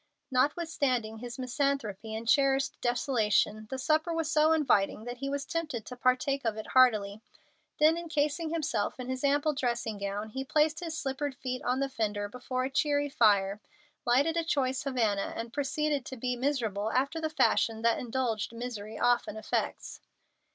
Notwithstanding his misanthropy and cherished desolation the supper was so inviting that he was tempted to partake of it heartily. Then incasing himself in his ample dressing gown he placed his slippered feet on the fender before a cheery fire, lighted a choice Havana, and proceeded to be miserable after the fashion that indulged misery often affects.